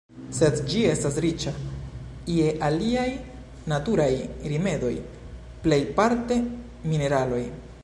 Sed ĝi estas riĉa je aliaj naturaj rimedoj, plejparte mineraloj.